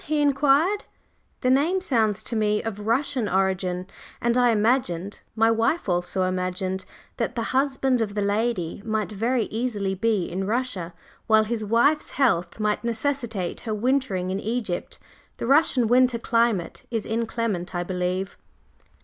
he inquired. "The name sounds to me of Russian origin, and I imagined my wife also imagined, that the husband of the lady might very easily be in Russia while his wife's health might necessitate her wintering in Egypt. The Russian winter climate is inclement, I believe."